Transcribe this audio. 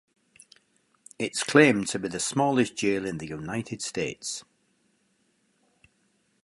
It is claimed to be the smallest jail in the United States.